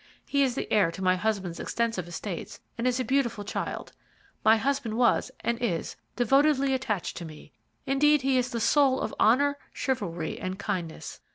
He is the heir to my husband's extensive estates, and is a beautiful child. My husband was, and is, devotedly attached to me indeed, he is the soul of honour, chivalry, and kindness.